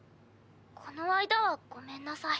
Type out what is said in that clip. この間はごめんなさい。